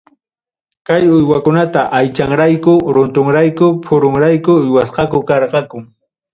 Kay uywakunata aychanrayku, runtunkunarayku, phurunkunarayku uywasqa karqaku.